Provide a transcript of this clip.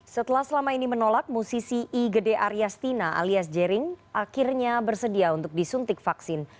setelah selama ini menolak musisi i gede aryastina alias jering akhirnya bersedia untuk disuntik vaksin